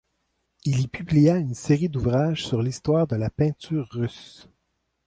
Il y publia une série d'ouvrages sur l'histoire de la peinture russe.